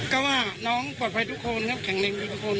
ก็ว่าน้องปลอดภัยทุกคนครับแข็งแรงทุกคน